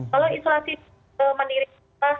kalau isolasi mandiri cukup enak